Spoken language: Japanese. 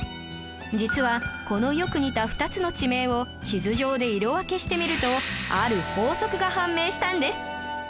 実はこのよく似た２つの地名を地図上で色分けしてみるとある法則が判明したんです